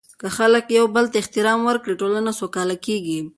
که خلک یو بل ته احترام ورکړي، ټولنه سوکاله کیږي.